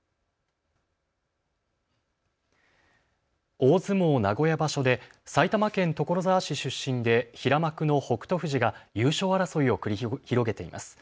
大相撲名古屋場所で埼玉県所沢市出身で平幕の北勝富士が優勝争いを繰り広げています。